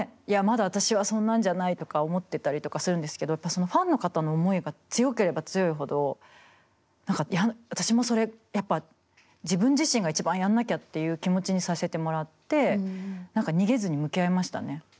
「いやまだ私はそんなんじゃない」とか思ってたりとかするんですけどファンの方の思いが強ければ強いほど私もそれやっぱ自分自身が一番やんなきゃっていう気持ちにさせてもらって何か逃げずに向き合えましたね。